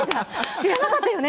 知らなかったよね？